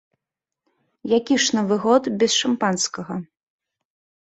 Які ж новы год без шампанскага?